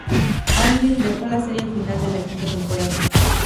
Hamlin dejó la serie al final de la quinta temporada.